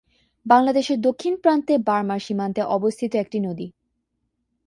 বাংলাদেশের দক্ষিণ প্রান্তে বার্মা সীমান্তে অবস্থিত একটি নদী।